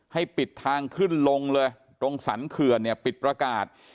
ให้ปิดทางขึ้นลงเลยตรงสรรคื่อปิดประกาศ